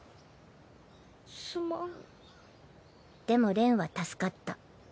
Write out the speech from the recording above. でもは助かった。